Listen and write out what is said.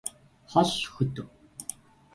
хол хөдөө